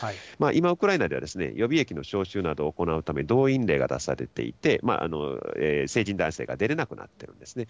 今、ウクライナでは予備役の召集などを行うため、動員令が出されていて、成人男性が出れなくなっているんですね。